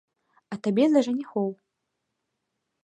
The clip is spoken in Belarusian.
А табе за жаніхоў.